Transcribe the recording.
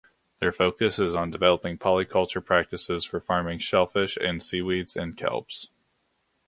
Their focus is on developing polyculture practices for farming shellfish and seaweeds and kelps.